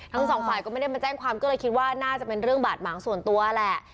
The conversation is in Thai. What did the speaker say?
ทั้งสองฝ่ายก็ไม่ได้มาแจ้งความก็เลยคิดว่าน่าจะเป็นเรื่องบาดหมางส่วนตัวแหละ